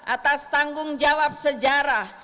atas tanggung jawab sejarah